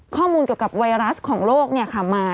ข้อมูลเกี่ยวกับไวรัสของโลกมา